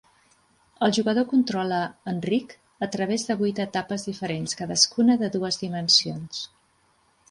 El jugador controla en Rick a través de vuit etapes diferents, cadascuna de dues dimensions.